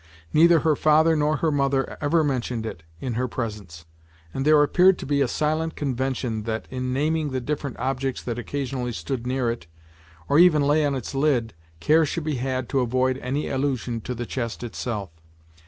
Neither her father nor her mother ever mentioned it in her presence, and there appeared to be a silent convention that in naming the different objects that occasionally stood near it, or even lay on its lid, care should be had to avoid any allusion to the chest itself.